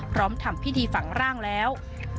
ทำพิธีฝังร่างแล้ว